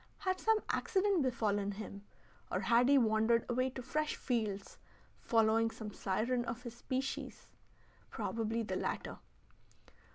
Had some accident befallen him, or had he wandered away to fresh fields, following some siren of his species? Probably the latter.